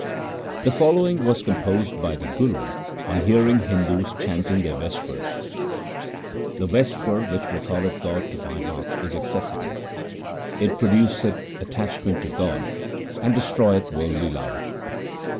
The following was composed by the Guru on hear ing Hindus chanting their vespers :— The vesper which recalleth God to my heart is acceptable : It produceth attachment to God and destroyeth worldly love.